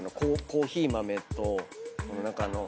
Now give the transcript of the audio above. コーヒー豆と何かあの。